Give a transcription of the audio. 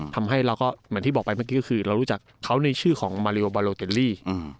ทำให้เราก็เหมือนที่บอกไปเมื่อกี้ก็คือเรารู้จักเขาในชื่อของมาริโอบาโลเตลลี่